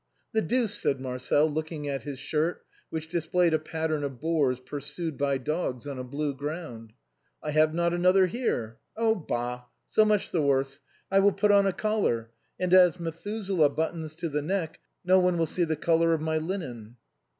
" The deuce," said Marcel, looking at his shirt, which displayed a pattern of boars pursued by dogs, on a blue ground. " I have not another here. Oh ! bah ! so much the MADEMOISELLE MUSETTE. 77 worse, I will put on a collar, and as ' Methuselah ' buttons to the neck no one will see the color of my linen."